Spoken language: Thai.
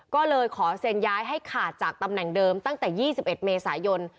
ก็เลยขอเซ็นย้ายให้ขาดจากตำแหน่งเดิมตั้งแต่๒๑เมษายน